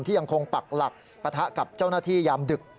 ยังคงปักหลักปะทะกับเจ้าหน้าที่ยามดึก